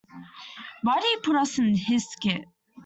Why'd he put us in his skit?